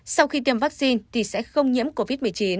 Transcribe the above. sau khi tiêm vaccine thì sẽ không nhiễm covid một mươi chín